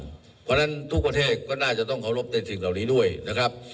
เพราะฉะนั้นทุกประเทศก็น่าจะต้องเคารพในสิ่งเหล่านี้ด้วยนะครับ